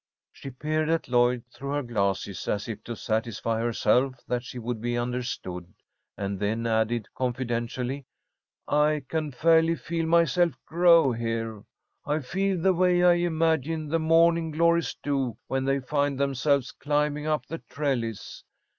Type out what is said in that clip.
She peered at Lloyd through her glasses as if to satisfy herself that she would be understood, and then added, confidentially: "I can fairly feel myself grow here. I feel the way I imagine the morning glories do when they find themselves climbing up the trellis.